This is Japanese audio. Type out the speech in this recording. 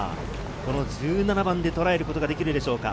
１７番でとらえることができるでしょうか。